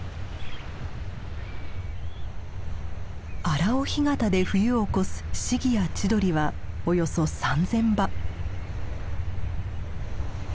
荒尾干潟で冬を越すシギやチドリはおよそ３，０００羽。